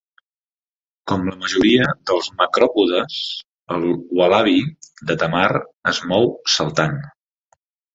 Com la majoria dels macròpodes, el ualabi de Tammar es mou saltant.